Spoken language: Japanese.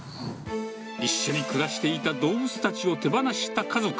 一緒に暮らしていた動物たちを手放した家族。